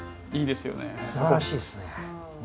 すばらしいですね。